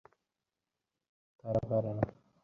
তারা পারে না।